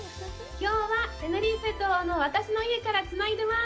きょうはテネリフェ島の私の家からつないでます。